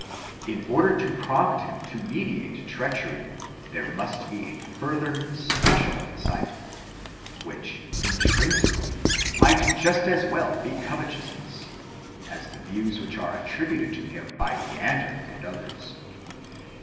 66); in order to prompt him to meditate treachery there must be a further, special incitement, which, in trinsically, might just as well be covetousness, as the views which are attributed to him by Neander and others.